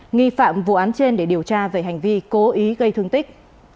nghi phạm vụ án trên để điều tra về hành vi cố ý gây thương tích